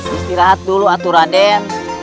istirahat dulu atur raden